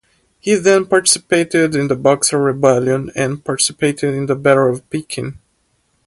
He then participated in the Boxer Rebellion and participated in the Battle of Peking.